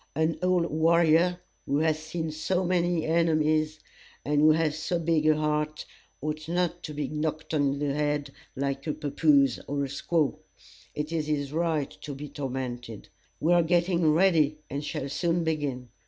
An old warrior who has seen so many enemies, and who has so big a heart, ought not to be knocked in the head like a pappoose or a squaw. It is his right to be tormented. We are getting ready, and shall soon begin.